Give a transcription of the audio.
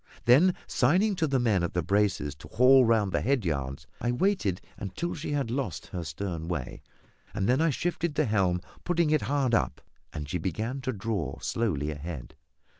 Then, signing to the men at the braces to haul round the head yards, I waited until she had lost her stern way, when I shifted the helm, putting it hard up, and she began to draw slowly ahead.